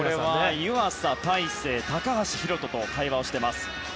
湯浅、大勢、高橋宏斗と会話しています。